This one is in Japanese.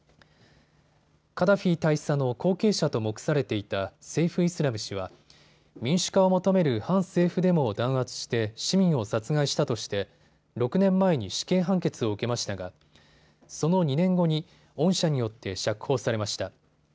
カダフィ大佐の後継者と目されていたセイフ・イスラム氏は民主化を求める反政府デモを弾圧して市民を殺害したとして６年前に死刑判決を受けましたがその２年後に恩赦によって釈放されました。